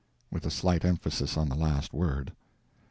With a slight emphasis on the last word.